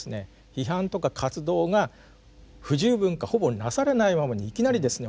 批判とか活動が不十分かほぼなされないままにいきなりですね